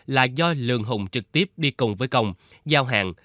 là do lương hùng trực tiếp đi cùng với công giao hàng